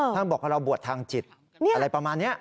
บอกว่าเราบวชทางจิตอะไรประมาณนี้